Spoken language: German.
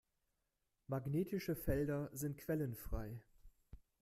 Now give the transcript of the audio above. Magnetische Felder sind quellenfrei.